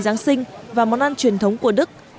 giáng sinh và món ăn truyền thống của đức